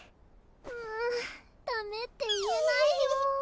うんダメって言えないよ